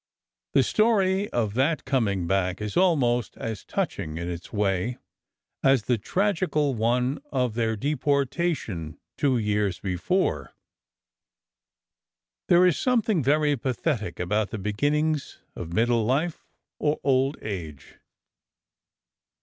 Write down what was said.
The story of that coming back is almost as touching in its way as the tragical one of their depor tation two years before. There is something very pathetic about the beginnings of middle life or old age.